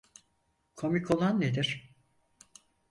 Komik olan nedir?